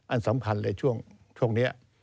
อันสำคัญเลยช่วงนี้